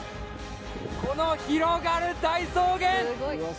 この広がる大草原！